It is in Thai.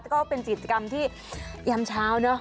ก็เป็นกิจกรรมที่ยามเช้าเนอะ